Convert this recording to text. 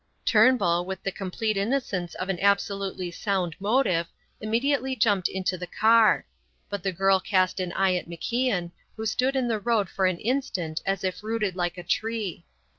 Turnbull, with the complete innocence of an absolutely sound motive, immediately jumped into the car; but the girl cast an eye at MacIan, who stood in the road for an instant as if rooted like a tree.